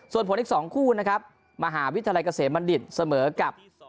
ส่วนผลอีก๒คู่นะครับมหาวิทยาลัยเกษมบัณฑิตเสมอกับ